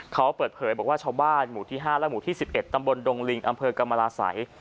เขาเปิดเผยบอกว่าชาวบ้านหมู่ที่๕และหมู่ที่๑๑ตำบลดงลิงอำเภอกรรมราศัย